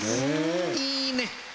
いいね！